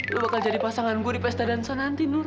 lu bakal jadi pasangan gue di pesta dan sana nanti nur